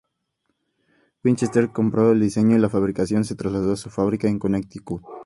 Winchester compró el diseño y la fabricación se trasladó a su fábrica en Connecticut.